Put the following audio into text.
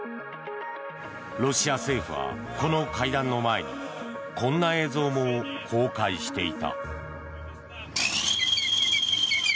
ロシア政府は、この会談の前にこんな映像も公開していた。